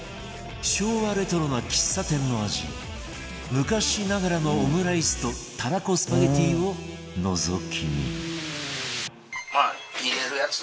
昭和レトロな喫茶店の味昔ながらのオムライスとたらこスパゲティをのぞき見宮川：入れるやつ